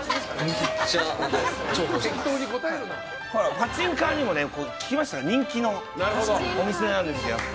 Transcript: パチンカーにも聞きましたら人気のお店なんですよ、やっぱり。